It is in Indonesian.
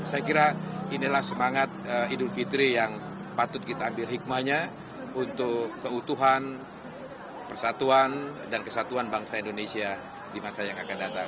saya kira inilah semangat idul fitri yang patut kita ambil hikmahnya untuk keutuhan persatuan dan kesatuan bangsa indonesia di masa yang akan datang